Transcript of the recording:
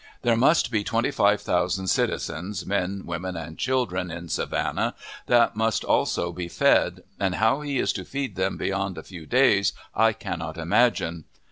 There must be twenty five thousand citizens, men, women, and children, in Savannah, that must also be fed, and how he is to feed them beyond a few days I cannot imagine.